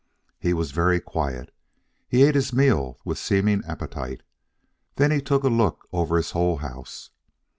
He was very quiet. He ate his meal with seeming appetite. Then he took a look over his whole house.